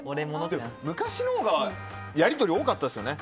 でも昔のほうがやり取り多かったですよね。